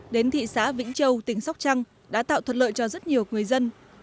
đến thị xã vĩnh châu tỉnh sóc trăng đã tạo thuận lợi cho rất nhiều người dân